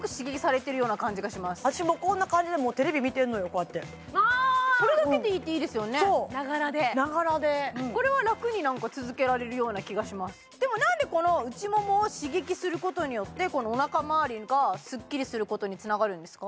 私もこんな感じでテレビ見てんのよこうやってそれだけでいいっていいですよねながらでこれはラクに続けられるような気がしますでも何でこの内ももを刺激することによってお腹周りがスッキリすることにつながるんですか？